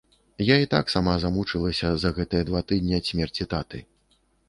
Я і так сама змучылася за гэтыя два тыдні ад смерці таты.